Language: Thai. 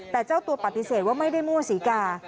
แต่เจ้าตัวปฏิเสธว่าไม่ได้มั่วศรีกา